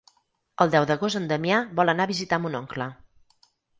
El deu d'agost en Damià vol anar a visitar mon oncle.